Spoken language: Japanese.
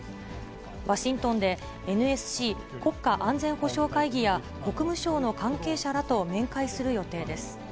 ワシントンでＮＳＣ・国家安全保障会議や、国務省の関係者らと面会する予定です。